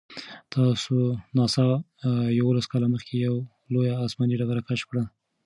ناسا یوولس کاله مخکې یوه لویه آسماني ډبره کشف کړه.